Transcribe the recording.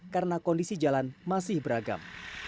karena kondisi jalan masih beragam